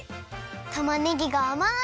たまねぎがあまい！